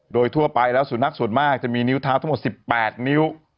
โดยทั่วไปแล้วสุนัขส่วนมากจะมีนิ้วเท้าทั้งหมด๑๘นิ้ว